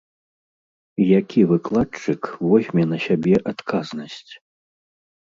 Які выкладчык возьме на сябе адказнасць?